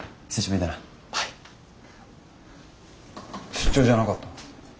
出張じゃなかったの？